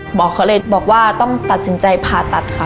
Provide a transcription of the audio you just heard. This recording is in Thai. หมอเขาเลยบอกว่าต้องตัดสินใจผ่าตัดค่ะ